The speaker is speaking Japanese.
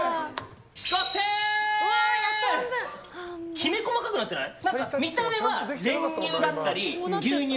きめ細かくなってない？